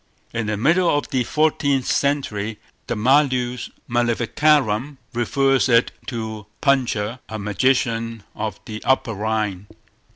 In the middle of the fourteenth century, the Malleus Maleficarum refers it to Puncher, a magician of the Upper Rhine.